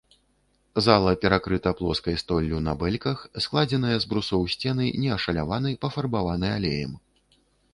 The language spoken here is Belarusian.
Зала перакрыта плоскай столлю на бэльках, складзеныя з брусоў сцены не ашаляваны, пафарбаваны алеем.